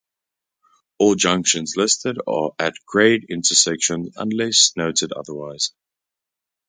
All junctions listed are at-grade intersections unless noted otherwise.